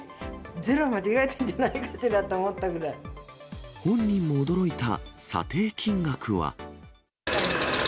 ゼロ間違えてるんじゃないか本人も驚いた査定金額は。